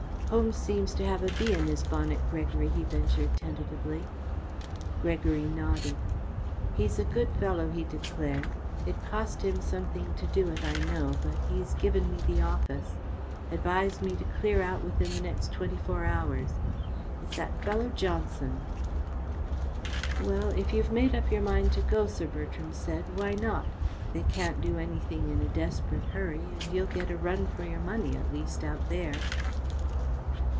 "Holmes seems to have a bee in his bonnet, Gregory," he ventured tentatively. Gregory nodded. "He's a good fellow," he declared. "It cost him something to do it, I know, but he's given me the office. Advised me to clear out within the next twenty four hours. It's that fellow Johnson." "Well, if you have made up your mind to go," Sir Bertram said, "why not? They can't do anything in a desperate hurry, and you'll get a run for your money at least out there."